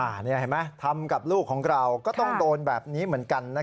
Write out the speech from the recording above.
เห็นไหมทำกับลูกของเราก็ต้องโดนแบบนี้เหมือนกัน